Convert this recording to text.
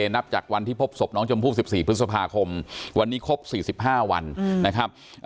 นับจากวันที่พบศพน้องชมพู่๑๔พฤษภาคมวันนี้ครบ๔๕วันนะครับ